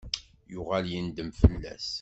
Yuɣal yendem fell-as.